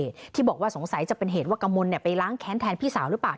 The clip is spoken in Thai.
ที่บอกว่าสงสัยจะเป็นเหตุว่ากระมนไปล้างแค้นแทนพี่สาวหรือเปล่า